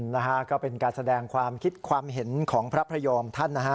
นะฮะก็เป็นการแสดงความคิดความเห็นของพระพระยอมท่านนะฮะ